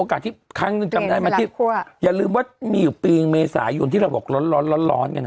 คำถึงจำได้อย่าลืมว่ามีอยู่ปีเมษายุ่นที่เราบอกร้อน